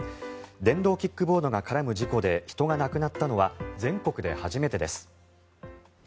電動キックボードが絡む事故で人が亡くなったのは全国で初めてです。